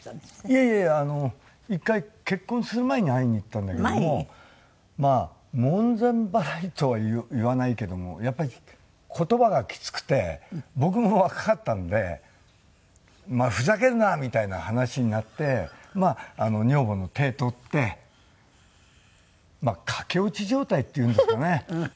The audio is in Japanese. いやいや１回結婚する前に会いに行ったんだけれどもまあ門前払いとは言わないけどもやっぱり言葉がきつくて僕も若かったので「お前ふざけるな！」みたいな話になって女房の手取って駆け落ち状態っていうんですかね。